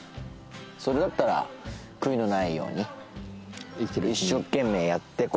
それだったら悔いのないように一生懸命やっていこうみたいな。